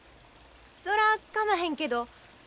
そらかまへんけど。